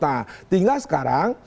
nah tinggal sekarang